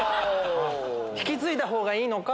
引き継いだ方がいいのか。